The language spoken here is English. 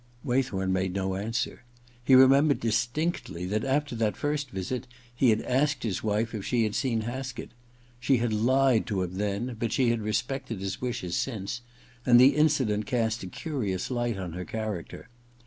Waythorn made no answer. He remem bered distinctly that, after that first visit, he had asked his wife if she had seen Haskett. She had lied to him then, but she had respected his wishes since ; and the incident cast a curious light on her character.